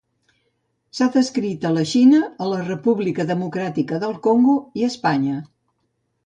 S’ha descrit a la Xina, a la República Democràtica del Congo i a Espanya.